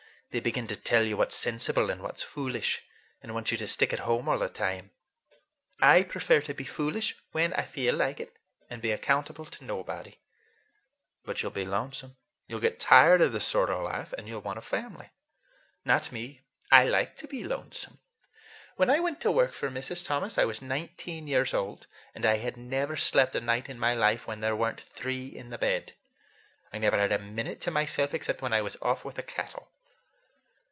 They begin to tell you what's sensible and what's foolish, and want you to stick at home all the time. I prefer to be foolish when I feel like it, and be accountable to nobody." "But you'll be lonesome. You'll get tired of this sort of life, and you'll want a family." "Not me. I like to be lonesome. When I went to work for Mrs. Thomas I was nineteen years old, and I had never slept a night in my life when there were n't three in the bed. I never had a minute to myself except when I was off with the cattle."